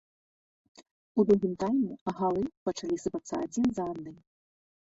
У другім тайме галы пачалі сыпацца адзін за адным.